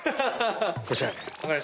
こちらに。